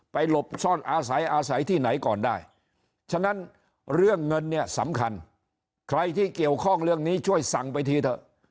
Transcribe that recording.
หลบซ่อนอาศัยอาศัยที่ไหนก่อนได้ฉะนั้นเรื่องเงินเนี่ยสำคัญใครที่เกี่ยวข้องเรื่องนี้ช่วยสั่งไปทีเถอะ